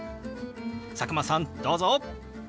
佐久間さんどうぞ！